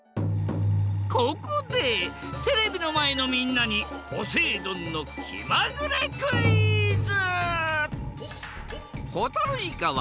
ここでテレビのまえのみんなにポセイ丼のきまぐれクイズ！